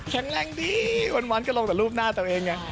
แรงดีวันก็ลงแต่รูปหน้าตัวเองไง